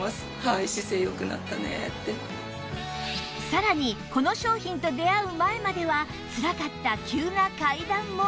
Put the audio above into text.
さらにこの商品と出会う前まではつらかった急な階段も